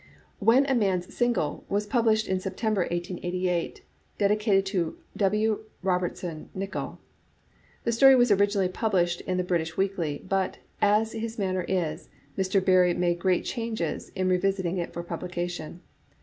"When a Man's Single" was published in September, 1888, dedicated to W. Robertson Nicoll. The story was originally published in The British Weekly^ but, as his manner is, Mr. Barrie made great changes in revis ing it for publication.